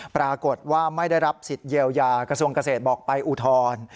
ปรากฏว่าไม่ได้รับสิทธิ์เยียวยากระทรวงเกษตรบอกไปอุทธรณ์